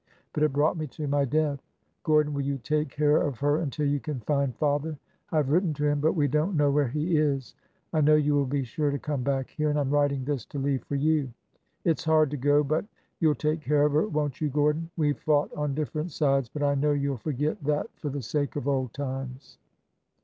But it brought me to my death. Gordon, will you take care of her until you can find father? I have written to him, but we don't know where he is. I know you will be sure to come back here, and I 'm writing this to leave for you. It 's hard to go ! but — you 'll take care of her, won't you, Gordon? We 've fought on different sides, but I know you 'll forget that for the sake of old times."